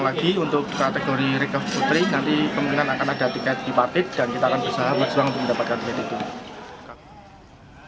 sekali lagi untuk kategori rekruf dan kompon nanti pemenang akan ada tiket dipartit dan kita akan berusaha berjuang untuk mendapatkan tiket itu